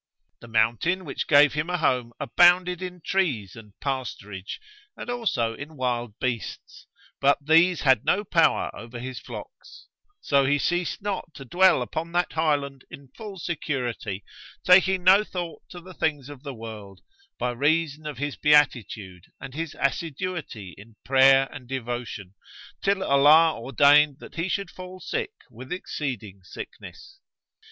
The mountain which gave him a home abounded in trees and pasturage and also in wild beasts, but these had no power over his flocks; so he ceased not to dwell upon that highland in full security, taking no thought to the things of the world, by reason of his beatitude and his assiduity in prayer and devotion, till Allah ordained that he should fall sick with exceeding sickness.